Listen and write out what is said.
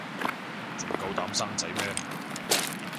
仲夠膽生仔咩